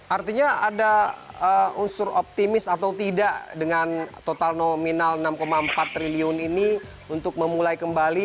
artinya ada unsur optimis atau tidak dengan total nominal enam empat triliun ini untuk memulai kembali